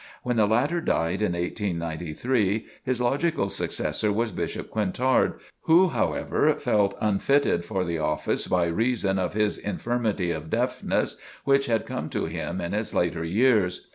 When the latter died in 1893, his logical successor was Bishop Quintard, who, however, felt unfitted for the office by reason of his infirmity of deafness which had come to him in his later years.